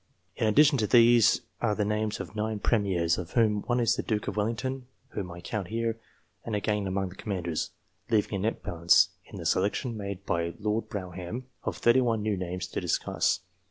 In addition to these, are the names of 9 Premiers, of whom one is the Duke of Wellington, whom I count here, and again among the Commanders, leaving a net balance, in the selection made by Lord Brougham, of 31 new names to discuss.